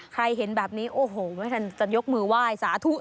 เห็นแบบนี้โอ้โหไม่ทันจะยกมือไหว้สาธุ